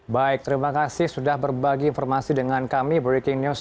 baik terima kasih sudah berbagi informasi dengan kami breaking news